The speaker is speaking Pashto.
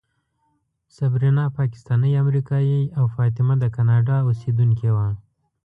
صبرینا پاکستانۍ امریکایۍ او فاطمه د کاناډا اوسېدونکې وه.